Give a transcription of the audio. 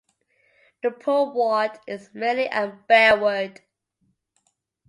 The Poole ward is Merley and Bearwood.